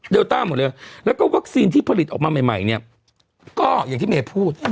ต้าหมดเลยแล้วก็วัคซีนที่ผลิตออกมาใหม่เนี่ยก็อย่างที่เมย์พูด